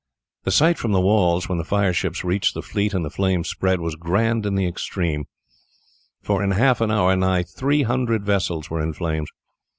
The sight from the walls, when the fire ships reached the fleet and the flames spread, was grand in the extreme, for in half an hour nigh three hundred vessels were in flames.